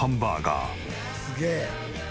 すげえ。